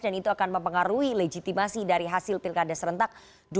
dan itu akan mempengaruhi legitimasi dari hasil pilkada serentak dua ribu dua puluh